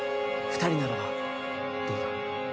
二人ならばどうだ？